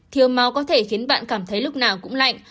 thiếu máu có thể khiến bạn cảm thấy lúc nào cũng lạnh